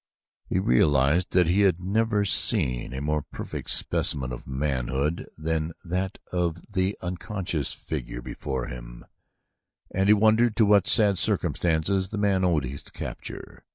He realized that he never had seen a more perfect specimen of manhood than that of the unconscious figure before him, and he wondered to what sad circumstances the man owed his capture.